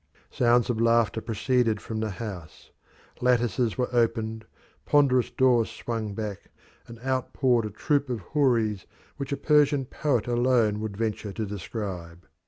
Sounds of laughter proceeded from the house; lattices were opened; ponderous doors swung back, and out poured a troop of houris which a Persian poet alone would venture to describe.